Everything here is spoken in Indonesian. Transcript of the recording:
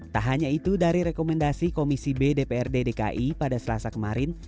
tak hanya itu dari rekomendasi komisi b dprd dki pada selasa kemarin